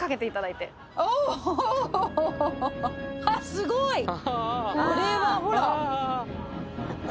すごい！これはほら。